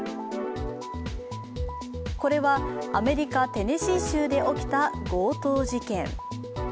これはアメリカ・テネシー州で起きた強盗事件。